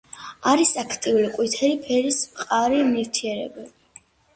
არის აქტიური, ყვითელი ფერის მყარი ნივთიერება.